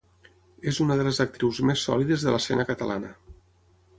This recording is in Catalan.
És una de les actrius més sòlides de l'escena catalana.